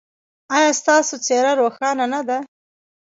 ایا ستاسو څیره روښانه نه ده؟